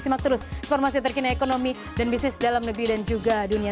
simak terus informasi terkini ekonomi dan bisnis dalam negeri dan juga dunia